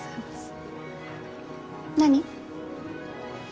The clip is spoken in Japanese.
何？